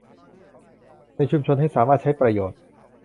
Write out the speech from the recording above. ในชุมชนให้สามารถใช้ประโยชน์